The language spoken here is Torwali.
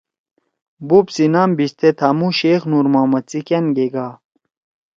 بوپ سی نام بھیِشتے تھامُو شیخ نورمحمد سی کأن گے گا